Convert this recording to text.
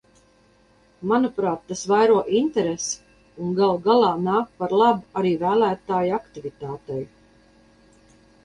Manuprāt, tas vairo interesi un galu galā nāk par labu arī vēlētāju aktivitātei.